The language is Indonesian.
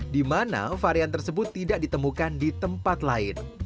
di mana varian tersebut tidak ditemukan di tempat lain